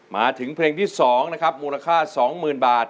มาถึงเพลงที่๒นะครับมูลค่า๒๐๐๐บาท